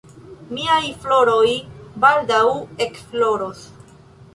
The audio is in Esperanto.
Miaj floroj baldaŭ ekfloros.